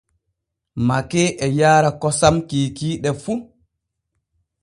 Makee e yaara kosam kiikiiɗe fu.